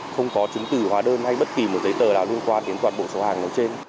không có chứng từ hóa đơn hay bất kỳ một giấy tờ nào liên quan đến toàn bộ số hàng nói trên